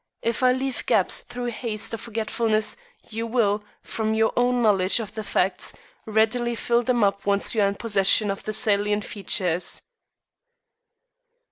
If I leave gaps through haste or forgetfulness you will, from your own knowledge of the facts, readily fill them up once you are in possession of the salient features.